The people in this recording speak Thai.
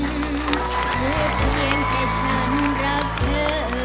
และเพียงแต่ฉันรักเธอ